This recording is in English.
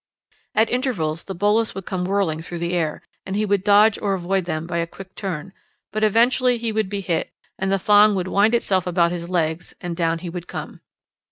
At intervals the bolas would come whirling through the air, and he would dodge or avoid them by a quick turn, but eventually he would be hit and the thong would wind itself about his legs and down he would come.